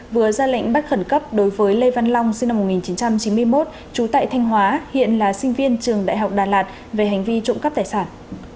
vừa ra lệnh bắt khẩn cấp đối với lê văn long sinh năm một nghìn chín trăm chín mươi một trú tại thanh hóa hiện là sinh viên trường đại học đà lạt về hành vi trộm cắp tài sản